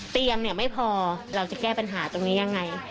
เตียงเนี่ยไม่พอเราจะแก้ปัญหาตรงนี้ยังไง